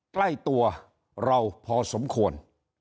ใกล้ตัวเราพอสมควร